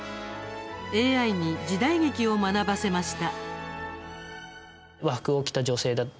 ＡＩに時代劇を学ばせました。